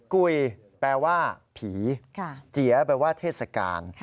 กุยแปลว่าผีเจียแปลว่าเทศกาล